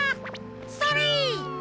それ！